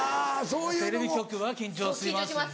テレビ局は緊張します